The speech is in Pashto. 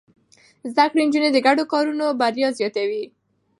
زده کړې نجونې د ګډو کارونو بريا زياتوي.